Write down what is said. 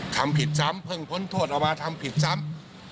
ทำผิดซ้ำเพิ่งพ้นโทษออกมาทำผิดซ้ำ